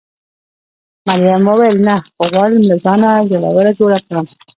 مريم وویل: نه، خو غواړم له ځانه زړوره جوړه کړم.